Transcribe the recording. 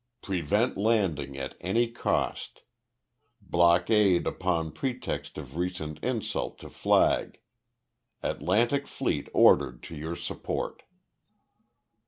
Prevent landing at any cost. Blockade upon pretext of recent insult to flag. Atlantic Fleet ordered to your support.